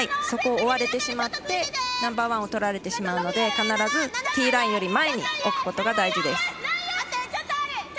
そこを追われてしまってナンバーワンをとられてしまうので必ずティーラインより前に置くことが大事です。